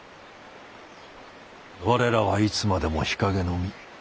我らはいつまでも日陰の身。